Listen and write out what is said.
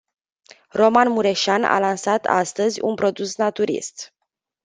Roman Mureșan a lansat astăzi, un produs naturist.